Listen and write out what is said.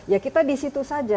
ya kita di situ saja